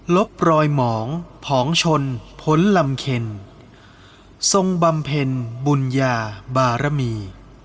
ลบรอยหมองผองชนพ้นลำเคนทรงบำเพ็ญบุญญาบารมี